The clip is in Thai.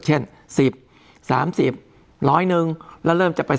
เช่น๑๐๓๐ร้อยหนึ่งแล้วเริ่มจะไป